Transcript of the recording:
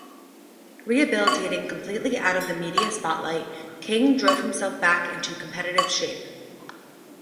Rehabilitating completely out of the media spotlight, King drove himself back into competitive shape.